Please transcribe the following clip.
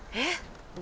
えっ。